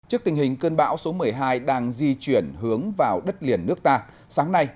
trước tình hình cơn bão số một mươi hai đang di chuyển hướng vào đất liền nước ta sáng nay